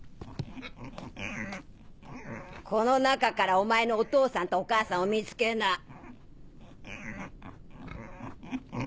この中からお前のお父さんとお母さんを見つけな。